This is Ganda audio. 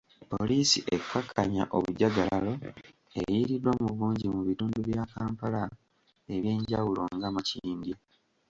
Poliisi ekkakkanya obujagalalo eyiiriddwa mu bungi mu bitundu bya Kampala ebyenjawulo nga Makindye